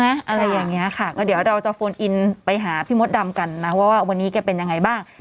อะไรอย่างนี้ค่ะก็เดี๋ยวเราจะโฟนอินไปหาพี่มดดำกันนะว่าวันนี้แกเป็นยังไงบ้าง